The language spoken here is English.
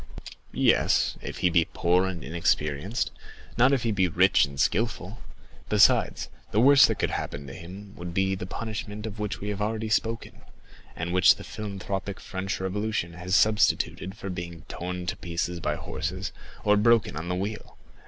"Yes, if he be poor and inexperienced, not if he be rich and skilful; besides, the worst that could happen to him would be the punishment of which we have already spoken, and which the philanthropic French Revolution has substituted for being torn to pieces by horses or broken on the wheel.